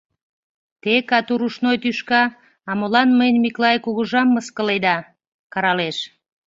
— Те, катурушной тӱшка, а молан мыйын Миклай кугыжам мыскыледа! — каралеш.